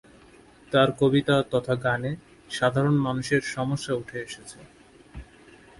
তার কবিতা তথা গানে সাধারণ মানুষের সমস্যা উঠে এসেছে।